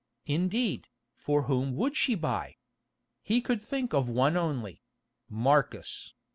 Indeed, for whom would she buy? He could think of one only—Marcus.